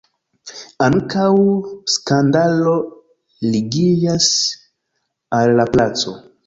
Ankaŭ skandalo ligiĝas al la placo.